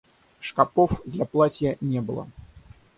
Шкапов для платья не было.